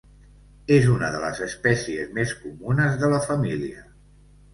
És una de les espècies més comunes de la família.